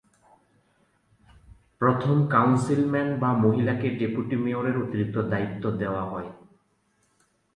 প্রথম কাউন্সিলম্যান বা মহিলাকে ডেপুটি মেয়রের অতিরিক্ত দায়িত্ব দেওয়া হয়।